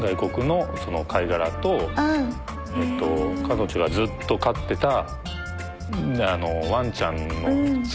彼女がずっと飼ってたワンちゃんの爪。